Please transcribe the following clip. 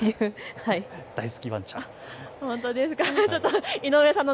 大好きワンちゃん。